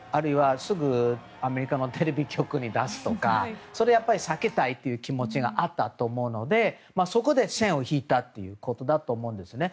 すぐアメリカのテレビ局に出すとかを避けたい気持ちがあったと思うのでそこで線を引いたということだと思うんですね。